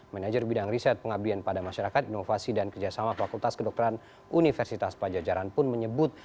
manajer bidang riset pengabdian pada masyarakat inovasi dan kerjasama fakultas kedokteran universitas pajajaran pun menyebut